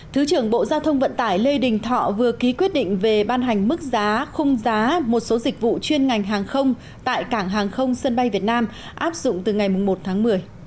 thứ trưởng bộ giao thông vận tải lê đình thọ vừa ký quyết định về ban hành mức giá khung giá một số dịch vụ chuyên ngành hàng không tại cảng hàng không sân bay việt nam áp dụng từ ngày một tháng một mươi